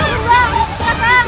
buat buatkan kanjong sunan